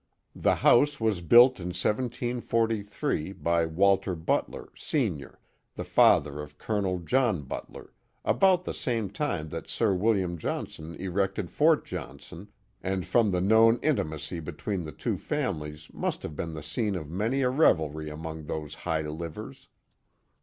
The house was built in 1743 by Walter Butler, senior, the father of Col. John Butler, about the same time that Sir Wm. Johnson erected Fort Johnson, and from the known intimacy between the two families must have been the scene of many a revelry among those high livers.